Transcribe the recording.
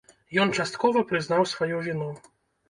Ён часткова прызнаў сваю віну.